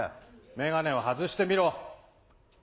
眼鏡を外してみろ。